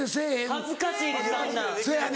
恥ずかしいですそんな。